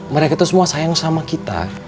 mereka itu semua sayang sama kita